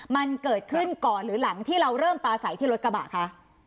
มันเกิดขึ้นก่อนหรือหลังที่เราเริ่มปลาใสที่รถกระบะคะ